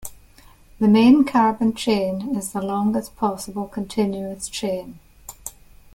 The main carbon chain is the longest possible continuous chain.